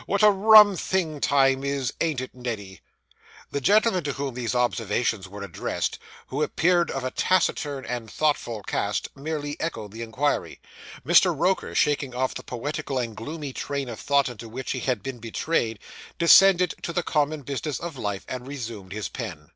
What a rum thing time is, ain't it, Neddy?' The gentleman to whom these observations were addressed, who appeared of a taciturn and thoughtful cast, merely echoed the inquiry; Mr. Roker, shaking off the poetical and gloomy train of thought into which he had been betrayed, descended to the common business of life, and resumed his pen.